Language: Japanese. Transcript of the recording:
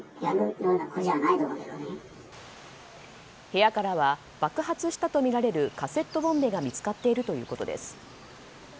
部屋からは爆発したとみられるカセットボンベが見つかっているということです。